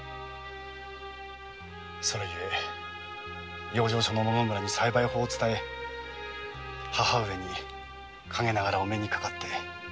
それ故養生所の野々村に栽培法を伝え母上に陰ながらお目にかかって再び旅に。